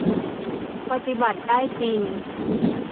ปฏิบัติได้จริง